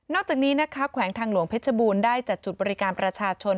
จากนี้นะคะแขวงทางหลวงเพชรบูรณ์ได้จัดจุดบริการประชาชน